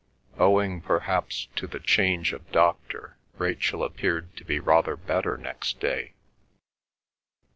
Owing perhaps to the change of doctor, Rachel appeared to be rather better next day.